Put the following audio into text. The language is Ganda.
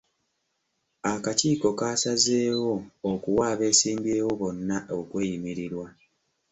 Akakiiko kaasazeewo okuwa abeesimbyewo bonna okweyimirirwa.